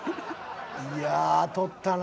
いや取ったな。